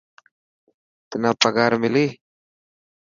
تنا پگهار ملي.